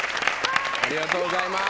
ありがとうございます。